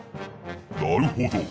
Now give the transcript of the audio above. なるほど。